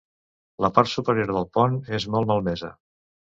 La part superior del pont és molt malmesa.